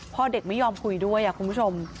พ่อเด็กไม่ยอมคุยด้วยคุณผู้ชม